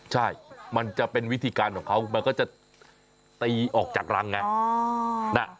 ใช่มันจะเป็นวิธีการของเขามันก็จะตีออกจากรังไง